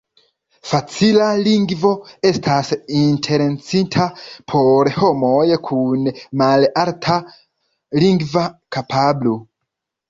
Facila Lingvo estas intencita por homoj kun malalta lingva kapablo.